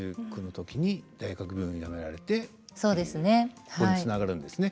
ここにつながるんですね。